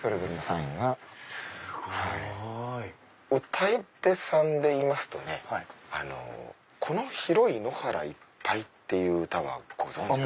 歌い手さんでいいますとね『この広い野原いっぱい』って歌はご存じですか？